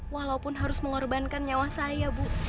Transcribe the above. walaupun harus mengorbankan nyawa saya bu